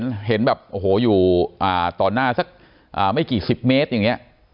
เห็นแบบโอ้โหอยู่ต่อหน้าสักไม่กี่สิบเมตรอย่างนี้